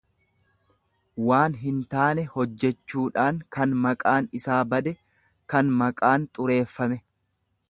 waan hintaane hojjechuudhaan kan maqaan isaa bade, kan maqaan xureeffame.